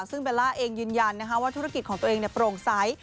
ซึ่งเบลล่าเองยืนยันว่าธุรกิจของตัวเองโปร่งใส